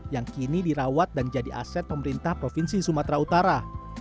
yang kini dirawat dan jadi aset pemerintah provinsi sumatera utara